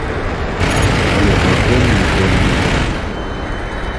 Але дракон ніколі не пераможа.